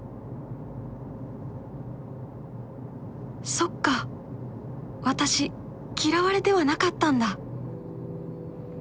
そっか私嫌われてはなかったんだ！